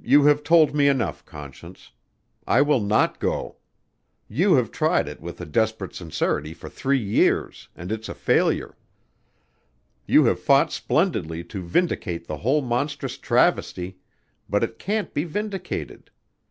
"You have told me enough, Conscience. I will not go. You have tried it with a desperate sincerity for three years and it's a failure. You have fought splendidly to vindicate the whole monstrous travesty, but it can't be vindicated.